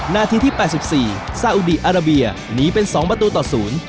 นาทีที่๘๔ซาอุดีอาราเบียหนีเป็น๒ประตูต่อศูนย์